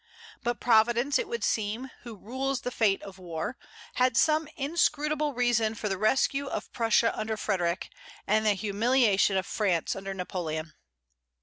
But Providence, it would seem, who rules the fate of war, had some inscrutable reason for the rescue of Prussia under Frederic, and the humiliation of France under Napoleon.